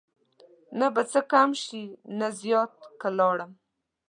نه به څه کم شي نه زیات که لاړم